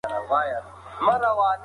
پلان ولرئ.